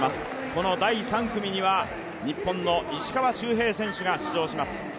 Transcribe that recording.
この第３組には日本の石川周平選手が出場します。